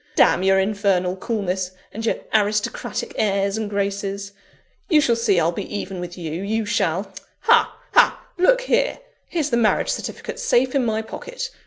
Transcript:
Damn your infernal coolness and your aristocratic airs and graces! You shall see I'll be even with you you shall. Ha! ha! look here! here's the marriage certificate safe in my pocket.